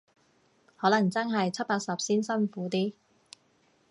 可能真係七八十先辛苦啲